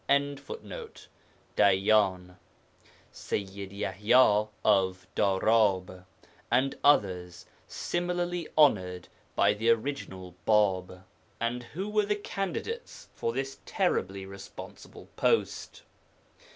] (Dayyan), Sayyid Yaḥya (of Darab), and others similarly honoured by the original Bāb. And who were the candidates for this terribly responsible post?